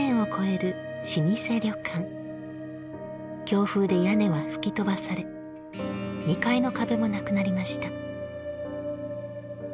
強風で屋根は吹き飛ばされ２階の壁もなくなりました。